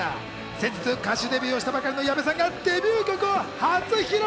先日、歌手デビューしたばかりの矢部さんがデビュー曲を初披露。